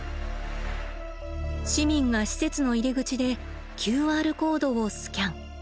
市民が施設の入り口でＱＲコードをスキャン。